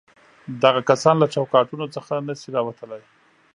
دغه کسان له چوکاټونو څخه نه شي راوتلای.